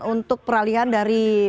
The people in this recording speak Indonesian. untuk peralihan dari